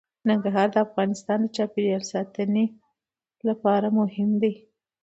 ننګرهار د افغانستان د چاپیریال ساتنې لپاره مهم دي.